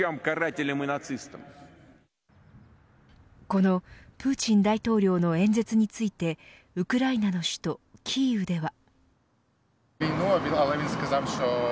このプーチン大統領の演説についてウクライナの首都キーウでは。